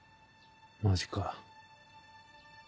マジか。